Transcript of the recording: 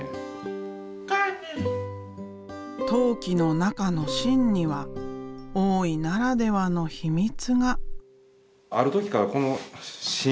陶器の中の芯には大井ならではの秘密が。